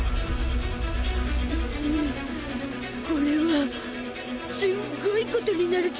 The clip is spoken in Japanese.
ううこれはすっごいことになるゾ。